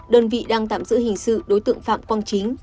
đơn vị đang tạm giữ hình sự đối tượng phạm quang chính